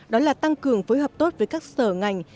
đó là tăng cường phối hợp tốt với các sở ngành